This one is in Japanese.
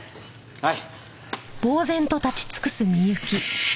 はい。